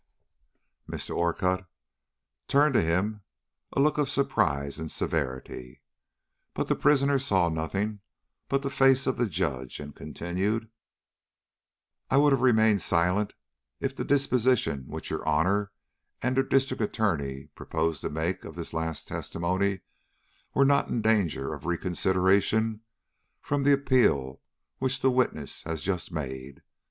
Mr. Orcutt turned to him a look of surprise and severity, but the prisoner saw nothing but the face of the Judge, and continued: "I would have remained silent if the disposition which your Honor and the District Attorney proposed to make of this last testimony were not in danger of reconsideration from the appeal which the witness has just made.